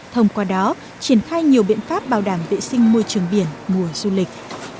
thông qua đó triển khai nhiều biện pháp bảo đảm vệ sinh môi trường biển mùa du lịch